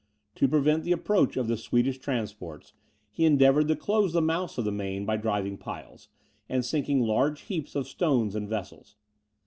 To prevent the approach of the Swedish transports, he endeavoured to close the mouth of the Maine by driving piles, and sinking large heaps of stones and vessels.